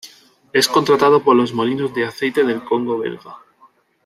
Es contratado por los Molinos de aceite del Congo belga.